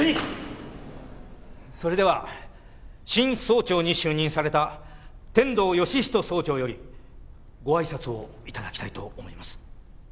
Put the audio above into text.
それでは新総長に就任された天堂義人総長よりごあいさつを頂きたいと思います。